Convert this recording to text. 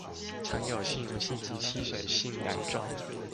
常有親油性及親水性兩種